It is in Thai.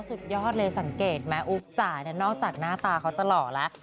สุดยอดเลยสังเกตไหมอุ๊บจ๋านอกจากหน้าตาเขาตลอดแล้ว